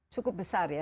cukup besar ya